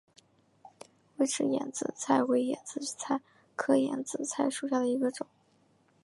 微齿眼子菜为眼子菜科眼子菜属下的一个种。